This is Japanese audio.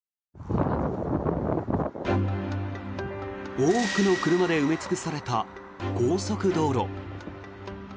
多くの車で埋め尽くされた高速道路。